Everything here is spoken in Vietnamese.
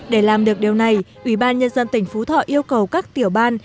để làm được điều này ủy ban nhân dân tỉnh phú thọ yêu cầu các tiểu ban